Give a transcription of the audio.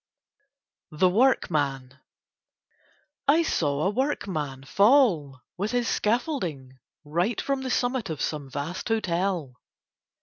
THE WORKMAN I saw a workman fall with his scaffolding right from the summit of some vast hotel.